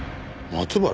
松原？